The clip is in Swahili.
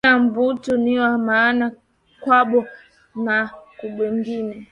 Kila muntu niwa maana kwabo na kubengine